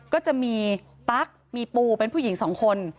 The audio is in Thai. ก็จะมีตั๊กมีปูเป็นผู้หญิงสองคน